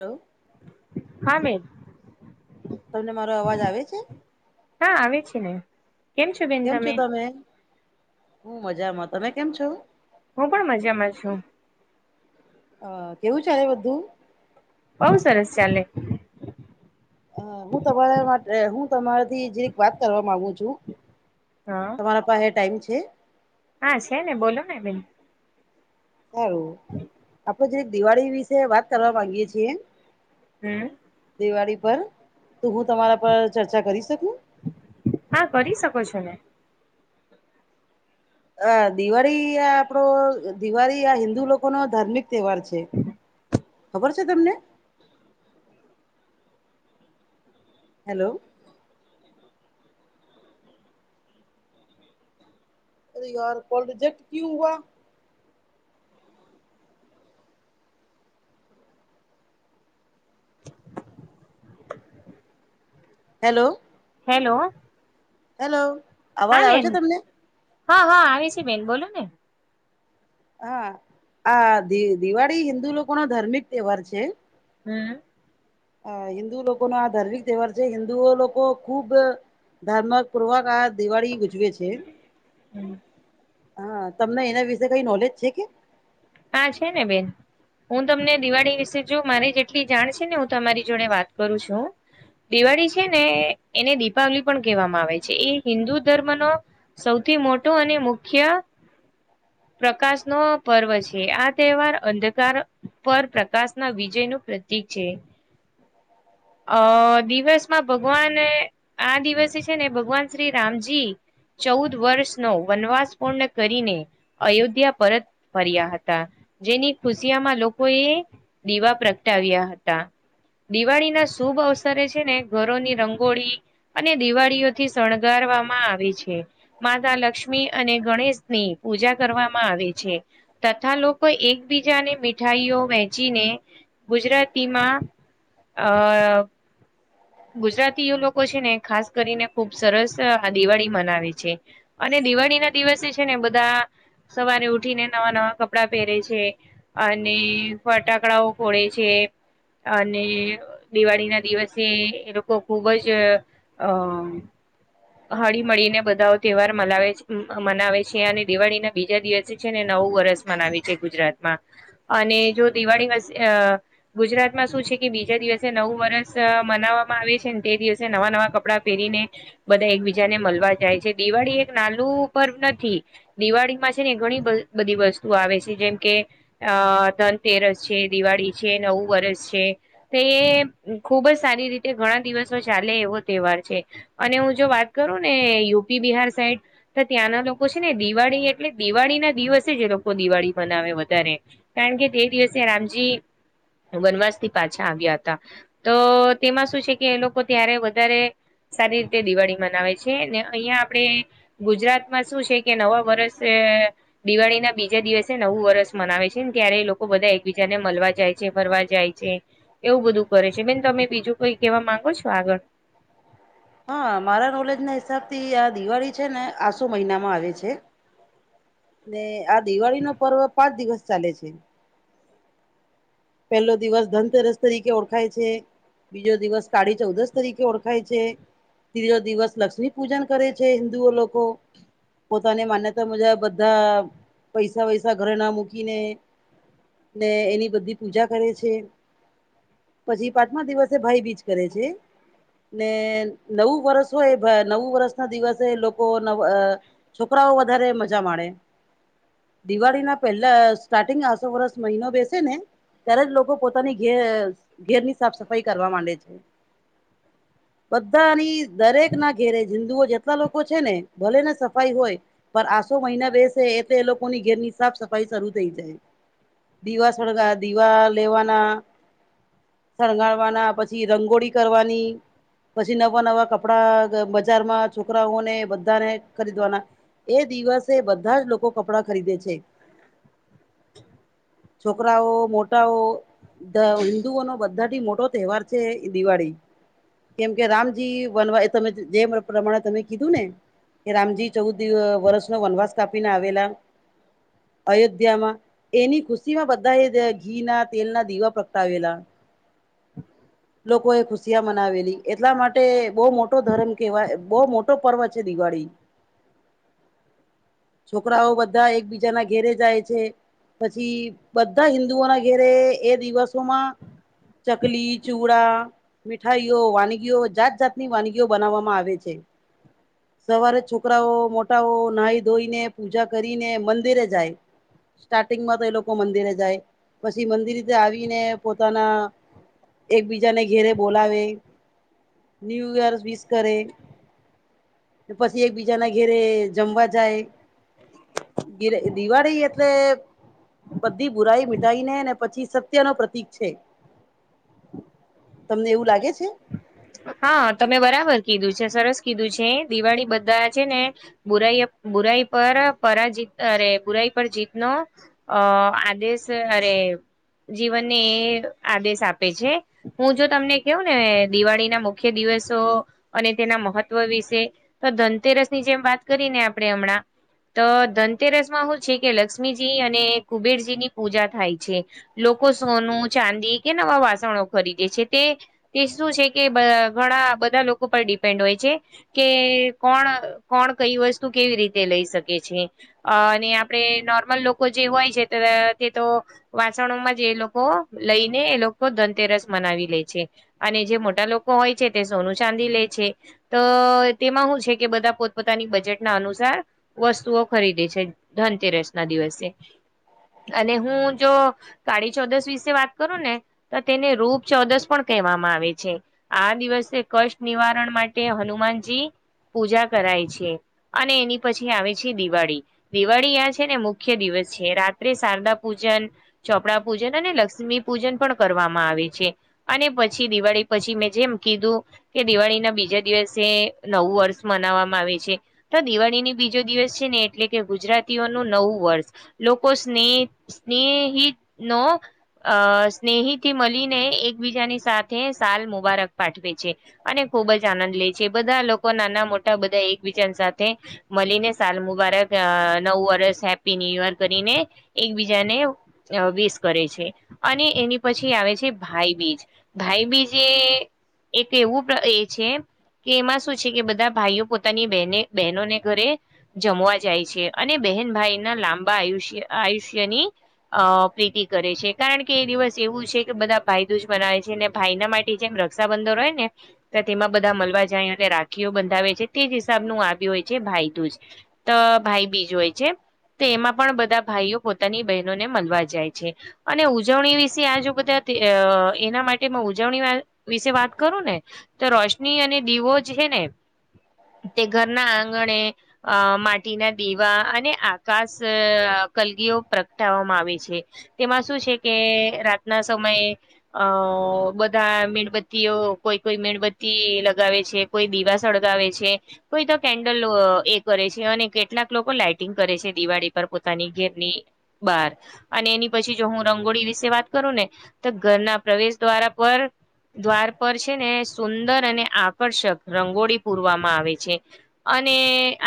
Hello હા મે તમને મારો અવાજ આવે છે. હા અી ચી ન કેમ છો તમે હું મજામાં તમે કેમ છો. હું પણ મજામાં છુ. અ કેવું છે, બધુ બઉ સરસ ચાલે અ હું તમારા માટે હું તમારાથી જે ર વાત કરવા માગુ છુ. હા તમારા પાસે ટાઈમ છે. હા છે ને બોલો ને બેન સારું આપડે જે દિવાળી વિશે વાત કરવા માંગીએે છીએ. હમ દિવાળી પર તો હું તમારા પર ચર્ચા કરી શકુ હા કરી શકો છો, ને અ દિવાળી આ આપડો દિવાળી આ હિન્દુ લોકો ન ધાર્મિક તહેવાર છે ખબર છે, તમને હેલો અ યાર કોલ રિજેક્ટ કુું હોવા. હેલો હેલો હેલો અવાજ આવે છે બેન તમને હા હા આવે છે બેન બોલો ને હા આ દિવાળી હિન્દુ લોકો નો ધાર્મિક તહેવાર છે. હમ હ હિન્દુ લોકો નો આ ધાર્મિક તહેવાર છે હિન્દુ લોકો ખુબ ધાર્મક પૂર્વક આ દિવાળી ગ ઉજવે છે. હમ હા તમને એના વિશે કઈ નોલેજ છે કે હા છે ને બેન હું તમને દિવાળી વિશે જો મારી જેટલી જાણ છે ને હું તમારી જોડે વાત કરું છુ. દિવાળી છે ને એને દીપાવલી પણ કહેવામાં આવે છે એ હિન્દુ ધર્મનો સૌથી મોટો અને મુખ્ય પ્રકાશ નો પર્વ છે. આ તહેવાર અંધકાર પર પ્રકાશ ના વિજય નું પ્રતીિક છે. અ દિવસમાં ભગવાન આ દિવસે છે ને ભગવાન શ્રી રામજી ચૌદ વર્ષ નો વનવાસ પૂર્ણ કરીને અયોધ્યા પરત ફર્યા હતા જેની ખુશિયામાં લોકોએ દીવા પ્રગટાવ્યા હતા દિવાળી ના શુભ અવસરે છે ને ઘરોની રંગોળી અને દિવાળીઓથી શણગારવામાં આવે છે માતા લક્ષ્મી અને ગણેશની પૂજા કરવામાં આવે છે તથા લોકો એકબીજાને મીઠાઈઓ વહેચીને ગુજરાતીમાં અ ગુજરાતી એ લોકો છે ને ખાસ કરીને ખુબ સરસ આ દિવાળી મનાવે છે અને દિવાળી ના દિવસે છે ને બધા સવારે ઉઠીને નવા નવા કપડા પહેરે છે અને ફટાકડાઓ ખોડે છે અને દિવાળી ના દિવસે એ લોકો ખુબ જ અ હળી મળીને બધા તહેવાર મ મનાવે છે અને દિવાળી ના બીજા દિવસે છે ને નવું વર્ષ મનાવી છે ગુજરાતમાં અને જો દિવાળી ગુજરાત માં શું છે કે બીજા દિવસે નવું વરષ મનાવવામાં આવે છે ને તે દિવસે નવા નવા કપડાં પેરીને બધા એકબીજાને મળવા જાય છે દિવાળી એક નાનુંુ પર્વ નથી દિવાળીમાં છે ને ઘણી બધી વસ્તુ આવે છે જેમ કે અ ધનતેર છે દિવાળી છે નવું વર્ષ છે તો એ ખુબ જ સારી રીતે ઘણા દિવસ ચાલે એવો તહેવાર છે અને હું જો વાત કરું ને યુપી બિહાર સાઈડ તો ત્યાંના લોકો છે ને દિવાળી એટલે દિવાળી ના દિવસે છે જે લોકો દિવાળી મનાવે વધારે કારણ કે તે દિવસે રામજી વનવાસ થી પાછા આવ્યા હતા તો તેમાં શું છે કે એ લોકો ત્યારે વધારે સારી રીતે દિવાળી મનાવે છે અહિયાં આપણેે ગુજરાતમાં શું છે કે નવા વરષ દિવાળી ના બીજા દિવસે નવું વરસ મનાવે છે ને ત્યારે લોકો બધા એકબીજા ને મળવા જાય છે ફરવા જાય છે એવું બધું કરે છે બેન તમે બીજું કઈ કહેવા માંગો છો આગળ હ હા મારા નોલેજ ના હિસાબથી આ દિવાળી છે ને આસો મહિનામાં આવે છે ને આ દિવાળી નો પર્વ પાંચ દિવસ ચાલે છે પેલો દિવસ ધનતેરસ તરીકે ઓળખાય છે બીજો દિવસ કાઢી ચૌદશ તરીકે ઓળખાય છે ત્રીજો દિવસ લક્ષ્મી પૂજન કરે છે હિન્દુઓ લોકો પોતાની માન્યતા મુજાબ બધા પૈસા વૈસા ઘરે ના મૂકીને ને એની બધી પૂજા કરે છે પછી પાંચમા દિવસે ભાઈ બીજ કરે છે ને નવું વરસ હોય નવું વર્ષ ના દિવસે લોકો નવ છોકરાઓ વધારે મજા માે દિવાળી ના પહેલા સ્ટાર્ટિંગ આસો વર્સ મહિનો બેસે ને ત્યારે જ લોકો પોતાની ઘે ઘેરની સાફ સફાઈ કરવા માંડે છે બધાની દરેક ના ઘેરે જિંદુઓ જેટલા લોકો છે ને ભલે ને સફાઈ હોય પર આસો મહિના બેસે એટલે એ લોકોની ઘેર ની સાફ સફાઈ શરૂ થઈ જાય. દીવા સળગા દીવા લેવાના. શણગારવાના પછી રંગોળી કરવાની. પછી નવા નવા કપડા બજારમાં છોકરાઓને બધાને ખરીદવાના એ દિવસે બધા જ લોકો કપડા ખરીદે છે છોકરાઓ મોટાઓ હિન્દુઓ નો બધાથી મોટો તહેવાર છે દિવાળી કેમ કે રામજી બનવા એ તમે જે પ્રમાણે તમે કીધું ને કે રામજી ચૌદ વર્ષનોો વનવાસ કાપીને આવેલા અયોધ્યામાં એની ખુશી માં બધા એ ઘી ના તેલ ના દીવા પ્રગટાવેલા. લોકો એ ખુશિયા મનાવેલી એટલા માટે બહુ મોટો ધર્મ કેવાય બહ મોટો પર્વ છે દિવાળી [inaudible] છોકરાઓ બધા એકબીજાના ઘેરે જાય છે પછી બધા હિ હિુ ના ઘેરે એ દિવસોમાં ચકલી ચુડા મીઠાઈઓ વાનગીઓ જાત જાતની વાનગીઓ બનાવવામાં આવે છે સવારે છોકરાઓ મોટાઓ નાઈ ધોઈને પૂજા કરીને મંદિરે જાય સ્ટાર્ટિંગમાં તો એ લોકો મંદિરે જાય પછી મંદિરીતે આવીને પોતાના એકબીજાને ઘેરે બોલાવે ન્યૂ યર વિશ કરે. પછી એકબીજાના ઘેરે જમવા જાય દિવાળી એટલે બધી બુરાઈ મી ને ને પછી સત્ય નો પ્રતીક છે તમને એવું લાગે છે? હા તમે બરાબર કીધું છે સરસ કીધું છે દિવાળી બધા છે ને બુરાઈ બુરાઈ પર પરાજત અરે બુરાઈ પર જીત નો અ આદેશ અરે જીવનને એ આદેશ આપે છે હું જો તમને કવું ને દિવાળી ના મુખ્ય દિવસો અને તેના મહત્વ વિશે તો ધનતેરસ ની જેમ વાત કરી ને આપણે હમણાં તો ધનતેરસ માં હું છે કે લક્ષ્મીજી અને કુબેરજી ની પૂજા થાય છે લોકો સોનું ચાંદી કે નવા વાસણો ખરીદે છે તે તે શું છે? કે ઘણા બધા લોકો પર ડિપેન્ડ હોય છે કે કોણ કોણ કઈ વસ્તુ કેવી રીતે લઈ શકે છે અ અને આપણેે નોર્મલ લોકો જે હોય છે તે તો વાસણોમાં જે એ લોકો લઈને એ લોકો ધનતેરસ મનાવી લે છે અને જે મોટ લોકો હોય છે તે સોનું ચાંદી લે છે તો તેમાં શું છે કે બધા પોતપોતાની બજેટના અનુસાર વસ્તુઓ ખરીદીે છે ધનતેરસ ના દિવસે અને હું જો કાળી ચૌદસ વિશે વાત કરું ને તો તેને રૂપ ચૌદસ પણ કહેવામાં આવે છે આ દિવસે કષ્ટ નિવારણ માટે હનુમાનજી પૂજા કરાય છે અને એની પછી આવે છે દિવાળી દિવાળી આ છે ને મુખ્ય દિવસ છે રાત્રે શારદા પૂજન ચોપડા પૂજન અને લક્ષ્મી પૂજન પણ કરવામાં આવે છે અને પછી દિવાળી પછી મેં જેમ કીધું કે દિવાળી ના બીજા દિવસે નવું વર્ષ મનાવવામાં આવે છે. તો દિવાળીની બીજો દિવસ છે ને એટલે કે ગુજરાતીઓનું નવું વર્ષ લોકો સ્નેહ સ્નેહી નો અ સ્નેહી થી મળીને એકબીજાની સાથે સાલ મુબારક પાઠવે છે. અને ખુબ જ આનંદ લે છે બધા લોકો નાના મોટા બધા એકબીજા સાથે મળીને સાલ મુબારક નવ વર્ષ હેપી ન્યુ યર કરીને એકબીજાને વસ કરે છે અને એની પછી આવે છે ભાઈબીજ ભાઈ બી કે એક એવું એ છે કે એમાં શું છે કે બધા ભાઈઓ પોતાની બહેને બહેનોને ઘરે જમવા જાય છે અને બહેન ભાઈ ના લાંબા આયુષ્ય આયુષ્યની અ પ્રીતિ કરે છે કારણ કે એ દિવસ એવું છે કે બધા ભાઈ દો જ મનાવે છે અને ભાઈના માટે જેમ રક્ષાબંધર હોય ને તો તેમાં બધા મળલવા જાય રાખીઓ બંધાવે છે તે જ હિસાબ નુ હોય છે ભાઈ તુંજ તો ભાઈ બીજ હોય છે તો એમાં પણ બધા ભાઈઓ પોતાની બહેનોને મળવા જાય છે અને ઉજવણી વિશે આજુ બધા એના માટેમાં ઉજવણી વિશે વાત કરું ને તો રોશની અને દીવો જે છેને. તે ઘરના આંગણે અ માટીના દેવા અને આકાશ કલગીઓ પ્રગટાવવામાં આવે છે. તેમાં શું છે, કે રાતના સમયે અ બધા મીણબત્તીઓ કોઈ કોઈ મીણબત્તી લગાવે છે કોઈ દીવા સળગાવે છે. કોઈ તો કેન્ડલ એ કરે છે, અને કેટલાક લોકો લાઈટ કરે છે દિવાળી પર પોતાની ઘેરની બહાર અને એની પછી જો હું રંગોળી વિશે વાત કરું ને તો ઘરના પ્રવેશ દ્વારા પર દ્વાર પર છે ને સુંદર અને આકર્ષક રંગોળી પૂરવામાં આવે છે. અને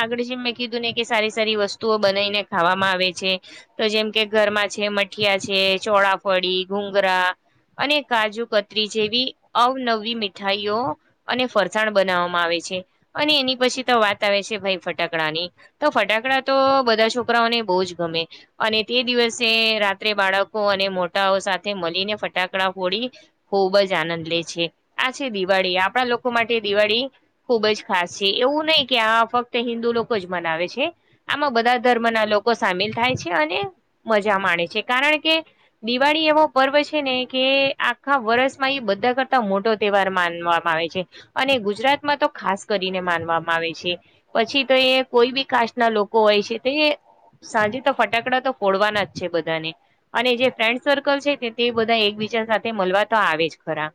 આગળ જેમ મેં કીધું ને કે સારી સારી વસ્તુઓ બનાવીને ખાવામાં આવે છે. તો જેમ કે ઘરમાં છે મઠિયા છે, ચોળાફળી ઘુંગરા અને કાજુ કતરી જેવી અવનવી મીઠાઈઓ અને ફરસાણ બનાવવામાં આવે છે. અને એની પછી તો વાત આવે છે, ભાઈ ફટાકડાની તો ફટાકડા તો બધા છોકરાઓને બહુ જ ગમે અને તે દિવસે રાત્રે બાળકો અને મોટાઓ સાથે મળીને ફટાકડા ફોડી ખૂબ જ આનંદ લે છે આ છે દિવાળી આપણા લોકો માટે દિવાળી ખુબજ ખાસ છે. એવું નહી કે આ ફક્ત હિન્દુ લોકો જ મનાવે છે આમાં બધા ધર્મ ના લોકો સામેલ થાય છે અને મજા માણે છે કારણ કે દિવાળી એવો પર્વ છેને, કે ખા વર્ષમાં એ બધા કરતા મોટો તહેવાર માનવામાં આવે છે. અને ગુજરાતમાં તો ખાસ કરીને માનવામાં આવે છે. પછી તો એ કોઈ બી કાસ્ટ ના લોકો હોય છે, તો એ સાંજે તો ફટાકડા તો ફડવાના જ છે, બધાને અને જે ફ્રેન્ડ સર્કલ છે, તે બધા એકબીજા સાથે મળવા તો આવે જ ખરા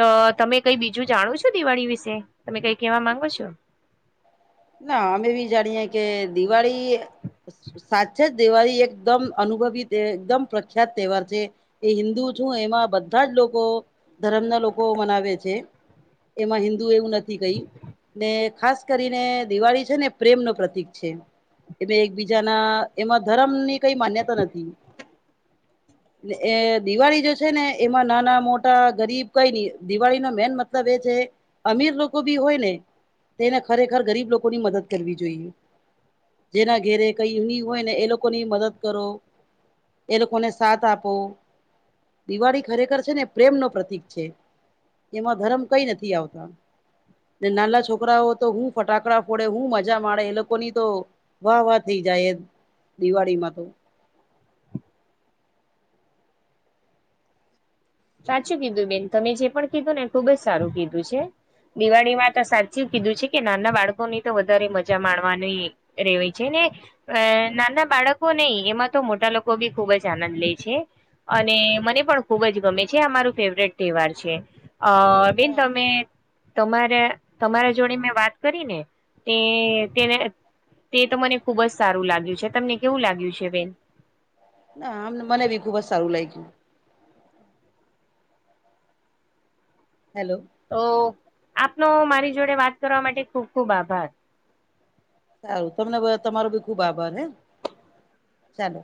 તો તમે કઈ બીજું જાણો છો દિવાળી વિશે તમે કઈ કેવા માંગો છો. ના અમે બી જાણીએ કે દિવાળી સાચે જ દિવાળી એકદમ અનુભવી એકદમ પ્રખ્યાત તહેવાર છે. એ હિન્દુ છું એમાં બધા જ લોકો ધરમ ના લોકો મનાવે છે, એમાં હિન્દુ એવું નથી કઈ ને ખાસ ખાસ કરીને દિવાળી છેને, પ્રેમ ન પ્રતિક છે એ એકબીજાના એમાં ધર્મ ની કઈ માન્યતા નથી એ દિવાળી જો છે ને એમાં નાના મોટા ગરીબ કઈ નઈ દિવાળી નો મેન મતલબ એ છે. અમીર લોકો બી હોય ને તેને ખરેખર ગરીબ લોકો ની મદદ કરવી જોઈએ. જેના ઘેરે કઈ હોય ને એ લોકો ની મદદ કરો એ લોકોને સાથ આપો દિવાળી ખરેખર છે ને પ્રેમ ન પ્રતિક છે. એમાં ધરમ કઈ નથી આવતા નાના છોકરાઓ તો હું ફટાકડા પડે હું મજા માે એ લોકોની તો વાહ વાહ થઈ જાય એ દિવાળીમાં તો સાચું કીધું બેન તમે જે પણ કીધું ને ખુબ જ સારું કીધું છે દિવાળી માં તો સાચી કીધું છે કે નાના બાળકો ની તો વધારે મજા માણવાનું એ રેવાય છે ને અ નાના બાળકો નહી એમાં તો મોટા લોકો બી ખુબ જ આનંદ લે છે અને મને પણ ખુબજ ગમે જે અમારું ફેવરેટ તહેવાર છે, અ બેન હા. તમે તમારા તમારા જોડે મેં વાત કરી ને તે તેને તે તો મને ખુબ જ સારું લાગ્યું છે તમને કેવું લાગ્યું છે, બેન ના આમ મને બી ખુબ જ સારું લાગ્યુ હેલો તો આપનો મારી જોડે વાત કરવા માટે ખુબ ખુબ આભાર સારું તમને તમારો બી ખુબ આભાર હે ચાલો